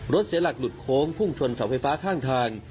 เสียหลักหลุดโค้งพุ่งชนเสาไฟฟ้าข้างทาง